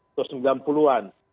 atau sembilan puluhan